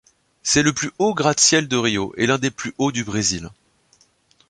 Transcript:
C'est le plus haut gratte-ciel de Rio et l'un des plus hauts du Brésil.